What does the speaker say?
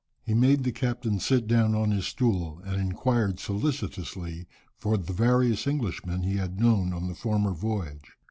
He made the captain sit down on his stool, and inquired solicitously for the various Englishmen he had known on the former voyage.